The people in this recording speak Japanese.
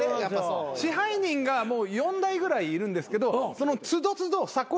支配人がもう４代ぐらいいるんですけどその都度都度さこ